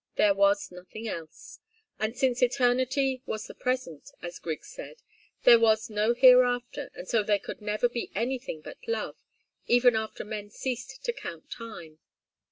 There was nothing else. And since eternity was the present, as Griggs said, there was no hereafter, and so there could never be anything but love, even after men ceased to count time.